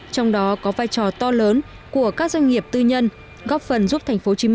trong đó có vai trò to lớn của các doanh nghiệp tư nhân góp phần giúp tp hcm